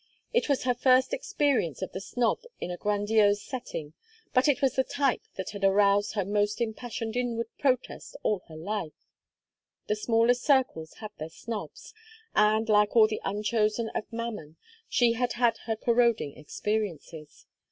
It was her first experience of the snob in a grandiose setting, but it was the type that had aroused her most impassioned inward protest all her life: the smallest circles have their snobs, and, like all the unchosen of mammon, she had had her corroding experiences.